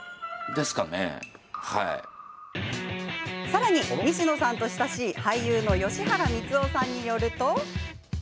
さらに、西野さんと親しい俳優の吉原光夫さんによると。